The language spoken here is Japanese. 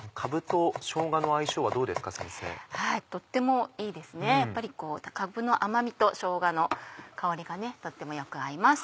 とってもいいですねやっぱりかぶの甘みとしょうがの香りがとってもよく合います。